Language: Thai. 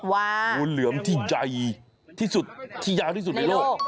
งูเหลือมที่ใหญ่ที่สุดที่ยาวที่สุดในโลก